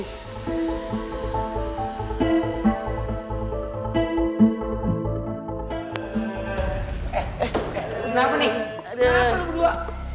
eh eh eh kenapa nih kenapa lo berdua